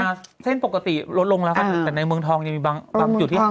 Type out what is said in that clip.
อ่าเช่นปกติลดลงแล้วค่ะแต่ในเมืองทองยังมีบางบางจุดที่ต่าง